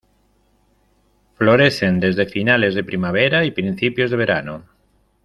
Florecen desde finales de primavera y principios de verano.